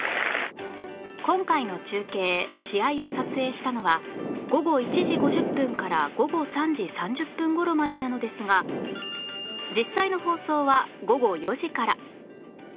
今回の中継試合を撮影したのは午後１時５０分から午後３時３０分頃までなのですが実際の放送は午後４時から